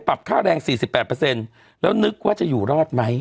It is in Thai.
ปรับค่าแรงสี่สิบแปดเปอร์เซ็นต์แล้วนึกว่าจะอยู่รอดไหม